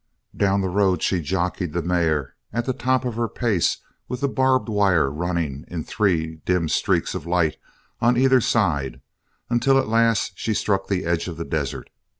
Down the road she jockeyed the mare at the top of her pace with the barbed wire running in three dim streaks of light on either side until at last she struck the edge of the desert.